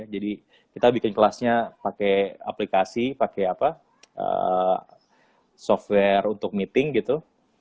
jadi kita bikin kelasnya pakai aplikasi pakai software untuk meeting gitu